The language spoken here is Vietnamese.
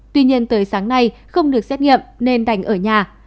tuy nhiên tới sáng nay không được xét nghiệm nên đành ở nhà